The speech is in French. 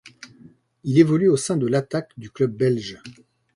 Il évolue au sein de l'attaque du club belge.